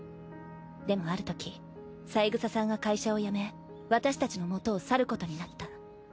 でもあるとき三枝さんが会社を辞め私たちの元を去ることになった。